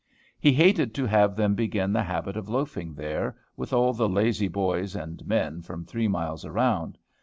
He hated to have them begin the habit of loafing there, with all the lazy boys and men from three miles round.